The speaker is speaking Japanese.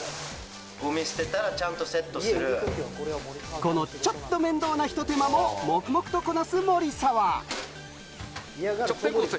このちょっと面倒な、ひと手間も黙々とこなす守澤。